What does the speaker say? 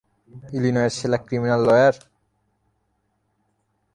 ইলিনয়ের সেরা criminal lawyer.